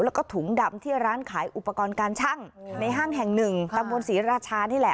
แล้วก็ถุงดำที่ร้านขายอุปกรณ์การชั่งในห้างแห่งหนึ่งตำบลศรีราชานี่แหละ